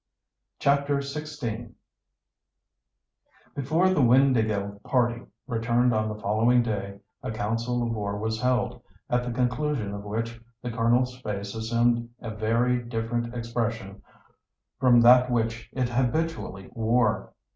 CHAPTER XVI Before the Windāhgil party returned on the following day a council of war was held, at the conclusion of which the Colonel's face assumed a very different expression from that which it habitually wore.